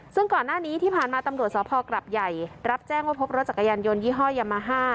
ซึ่งก่อนหน้านี้ที่ผ่านมาตำรวจสพกรับใหญ่รับแจ้งว่าพบรถจักรยานยนต์ยี่ห้อยามาฮ่า